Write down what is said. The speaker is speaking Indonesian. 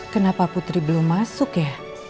kenapa putri belum masuk ya